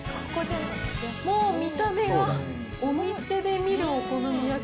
もう見た目が、お店で見るお好み焼き。